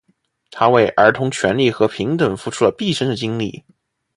他为儿童权利和平等付出了毕生的精力。